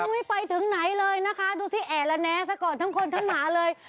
ไม่ไปถึงไหนเลยนะคะดูสิแอละแนะซะก่อนทั้งคนทั้งหมาเลย